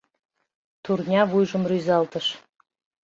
Турня вуйжым рӱзалтыш.